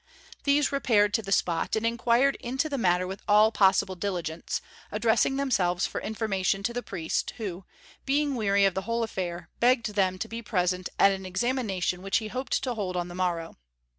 These repaired to the spot and inquired into the matter with all possible diligence, addressing themselves for information to the priest, who, being weary of the whole affair, begged them to be present at an examination which he hoped to hold on the morrow.